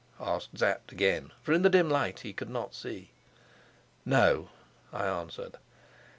asked Sapt again, for in the dim light he could not see. "No," I answered.